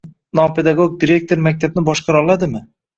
Nopedagog direktor maktabni boshqara oladimi?